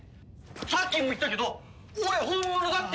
さっきも言ったけど俺本物だって！